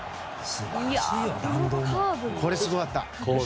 これすごかった。